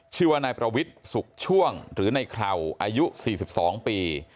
ชื่อว่านายประวิทย์สุขช่วงหรือในเคราวอายุ๔๒ปี